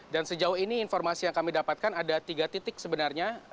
dan sejauh ini informasi yang kami dapatkan ada tiga titik sebenarnya